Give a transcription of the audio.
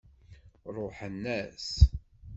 Ṛuḥen-as.